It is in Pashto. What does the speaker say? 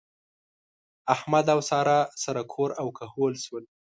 احمد او سارا سره کور او کهول شول.